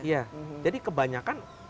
ya jadi kebanyakan